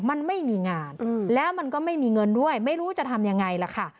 มันไม่มีงานแล้วมันก็ไม่มีเงินด้วยไม่รู้จะทำยังไงล่ะค่ะ